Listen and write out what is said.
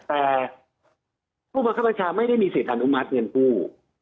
แต่ผู้บังคับบัญชาไม่ได้มีสิทธิ์อนุมัติเงินกู้